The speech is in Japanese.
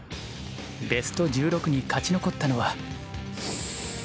ベスト１６に勝ち残ったのはＡ